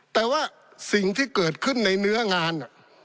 แต่ว่าสิ่งที่เกิดขึ้นในเนื้องาน